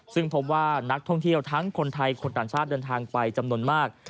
ซึ่งพบว่านักท่องเที่ยวทั้งคนไทยคนต่างชาติเดินทางไปจำนวนมาก